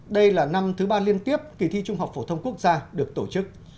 đây là năm thứ ba liên tiếp kỳ thi trung học phổ thông quốc gia được tổ chức